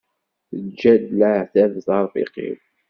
Teǧǧa-d leɛtab d arfiq-iw.